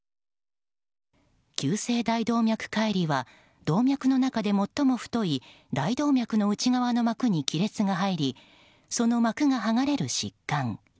急性大動脈解離は動脈の中で最も太い大動脈の内側の膜に亀裂が入りその膜が剥がれる疾患。